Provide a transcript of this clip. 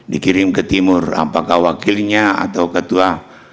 dikirim ke timur apakah wakilnya atau ketua